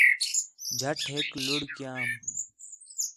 جھٹیک لُڑھ کیام